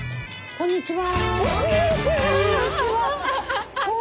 こんにちは！